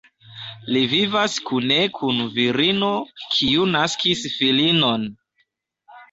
Li vivas kune kun virino, kiu naskis filinon.